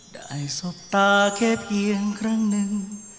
สบตาแค่เพียงครั้งหนึ่ง